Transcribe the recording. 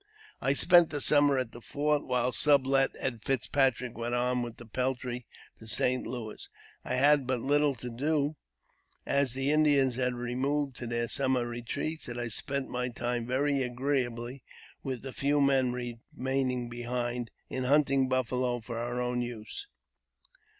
I spent the summer at the fort, while Sublet and Fitzpatrick went on with the peltry to St. Louis. I had but little to do, as the Indians had removed to their summer retreats, and I spent my time very agreeably with the few men remaining behind, in hunting buffalo for our own use.